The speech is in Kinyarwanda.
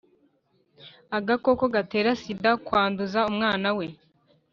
Agakoko gatera sida kwanduza umwana we